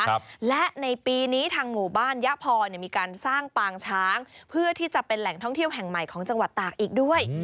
ครับและในปีนี้ทางหมู่บ้านยะพอเนี่ยมีการสร้างปางช้างเพื่อที่จะเป็นแหล่งท่องเที่ยวแห่งใหม่ของจังหวัดตากอีกด้วย